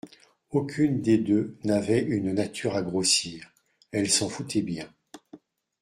Aucune des deux n’avait une nature à grossir. Elles s’en foutaient bien.